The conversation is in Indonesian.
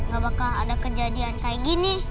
gak bakal ada kejadian kayak gini